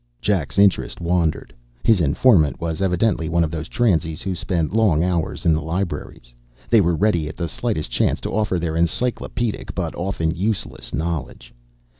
Jack's interest wandered. His informant was evidently one of those transies who spent long hours in the libraries. They were ready at the slightest chance to offer their encyclopaedic but often useless knowledge.